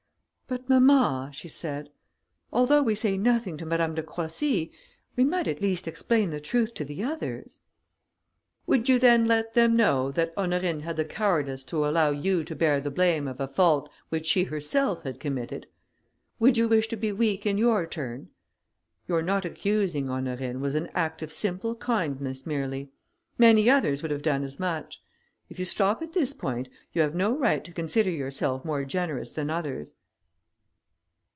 "But, mamma," she said, "although we say nothing to Madame de Croissy, we might at least explain the truth to the others." "Would you then let them know that Honorine had the cowardice to allow you to bear the blame of a fault which she herself had committed? Would you wish to be weak in your turn? Your not accusing Honorine was an act of simple kindness merely; many others would have done as much; if you stop at this point, you have no right to consider yourself more generous than others."